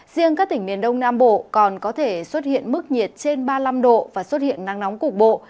riêng các tỉnh miền đông nam bộ còn có thể xuất hiện mức nhiệt trên ba mươi năm độ và xuất hiện nắng nóng cục bộ